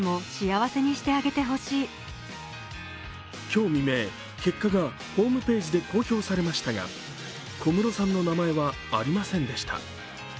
今日未明、結果がホームページで公表されましたが小室さんの名前はありませんでした。